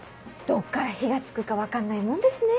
どっから火がつくか分かんないもんですねぇ。